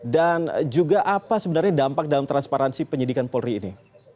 dan juga apa sebenarnya dampak dalam transparansi penyidikan polri ini